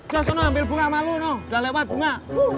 jangan sampai ambil bunga sama lo neng udah lewat bunga